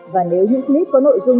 và nếu những clip có nội dung